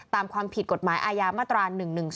ตามความผิดกฎหมายอาญามาตรา๑๑๒